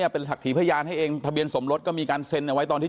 เป็นถักถีพยานให้เองทะเบียนสมรสก็มีการเซ็นไว้